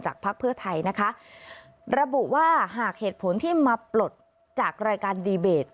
พักเพื่อไทยนะคะระบุว่าหากเหตุผลที่มาปลดจากรายการดีเบต